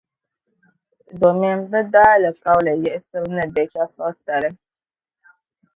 Domin bɛ daalikauli yiɣisibu ni bɛ chεfuritali.